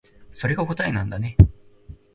それが答えなんだね